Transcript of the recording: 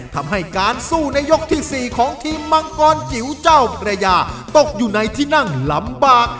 ทำให้การสู้ในยกที่๔ของทีมมังกรจิ๋วเจ้าพระยาตกอยู่ในที่นั่งลำบาก